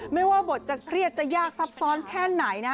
ไม่ว่าบทจะเครียดจะยากซับซ้อนแค่ไหนนะ